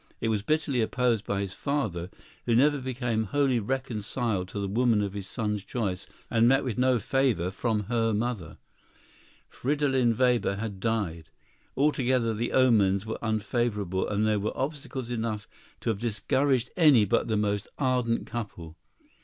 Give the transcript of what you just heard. It was bitterly opposed by his father, who never became wholly reconciled to the woman of his son's choice, and met with no favor from her mother. Fridolin Weber had died. Altogether the omens were unfavorable, and there were obstacles enough to have discouraged any but the most ardent couple.